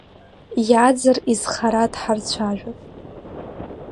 Иаӡар изхара дҳарцәажәап.